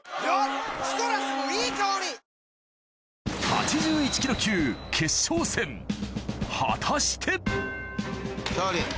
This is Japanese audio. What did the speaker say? ８１ｋｇ級決勝戦果たして？